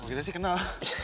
oh kita sih kenal